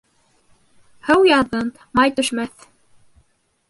Һыу яҙын, май төшмәҫ.